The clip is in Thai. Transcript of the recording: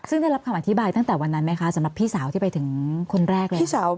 ซึ่งได้รับคำอธิบายตั้งแต่วันนั้นไหมคะสำหรับพี่สาวที่ไปถึงคนแรกเลย